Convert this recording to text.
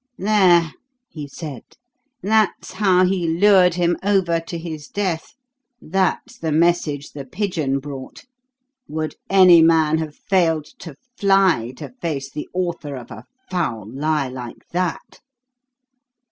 "There!" he said, "that's how he lured him over to his death. That's the message the pigeon brought. Would any man have failed to fly to face the author of a foul lie like that?"